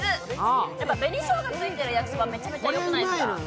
やっぱ紅しょうがついてる焼きそば、めちゃめちゃよくないですか。